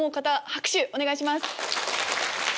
拍手お願いします。